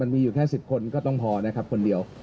มันมีอยู่แค่๑๐คนก็ต้องพอคนเดียว